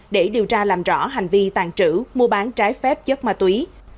để điều tra làm rõ hành vi tàn trữ mua bán trái phép chất ma túy